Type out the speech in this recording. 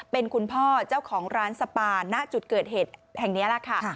เป็นคุณพ่อเจ้าของร้านสปาณจุดเกิดเหตุแห่งนี้แหละค่ะ